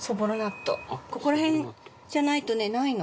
ここらへんじゃないとないの。